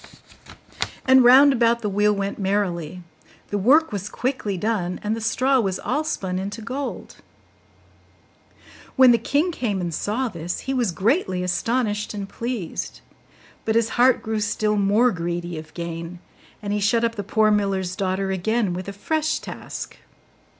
And round about the wheel went merrily; the work was quickly done, and the straw was all spun into gold. When the king came and saw this, he was greatly astonished and pleased; but his heart grew still more greedy of gain, and he shut up the poor miller's daughter again with a fresh task.